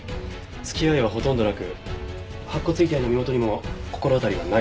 付き合いはほとんどなく白骨遺体の身元にも心当たりはないそうです。